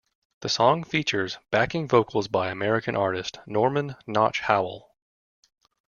The song features backing vocals by American artist Norman "Notch" Howell.